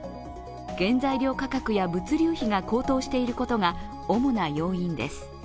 原材料価格や物流費が高騰していることが主な要因です。